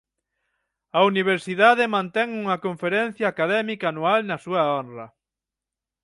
A universidade mantén unha conferencia académica anual na súa honra.